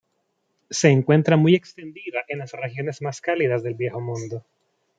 Se encuentra muy extendida en las regiones más cálidas del Viejo Mundo.